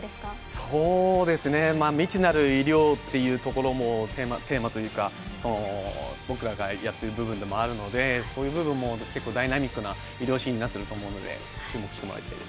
そうですね、未知なる医療というところもテーマというか、僕らがやってる部分でもあるので、そういう部分も結構ダイナミックな医療シーンになっていると思うので注目していただきたいです。